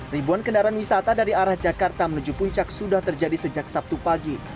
ribuan kendaraan wisata dari arah jakarta menuju puncak sudah terjadi sejak sabtu pagi